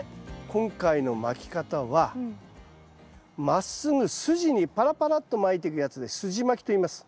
今回のまき方はまっすぐすじにパラパラっとまいていくやつですじまきといいます。